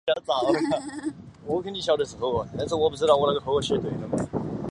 该枪的名字来自于双连击之上在短时间内连续射出两发子弹。